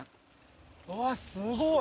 うわすごい！